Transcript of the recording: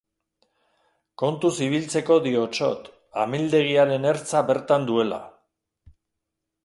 Kontuz ibiltzeko diotsot, amildegiaren ertza bertan duela.